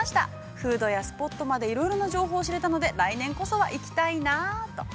風土やスポットまで、いろいろな情報を知れたので、来年こそは行きたいなと。